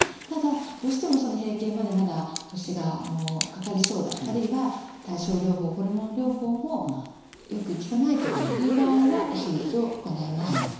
ただどうしても閉経までまだ年がかかりそうだあるいは対症療法ホルモン療法もよく効かないという場合は手術を行います。